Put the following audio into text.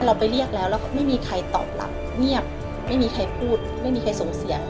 เราไปเรียกแล้วแล้วก็ไม่มีใครตอบรับเงียบไม่มีใครพูดไม่มีใครส่งเสียง